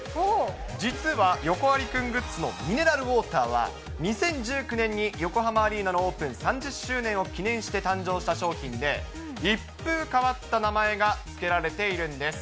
実は、ヨコアリくんグッズのミネラルウォーターは、２０１９年に横浜アリーナのオープン３０周年を記念して誕生した商品で、一風変わった名前がつけられているんです。